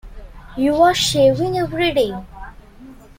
You're shaving every day.